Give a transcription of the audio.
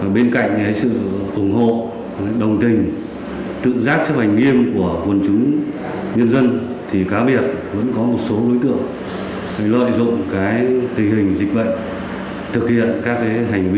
bên cạnh sự ủng hộ đồng tình tự giác chấp hành nghiêm của quân chúng nhân dân thì cá biệt vẫn có một số đối tượng lợi dụng tình hình dịch bệnh